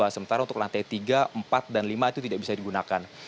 sementara untuk lantai tiga empat dan lima itu tidak bisa digunakan